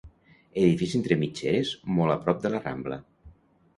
Edifici entre mitgeres molt a prop de la Rambla.